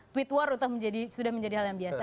tweet war itu sudah menjadi hal yang biasa